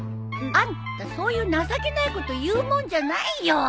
あんたそういう情けないこと言うもんじゃないよ。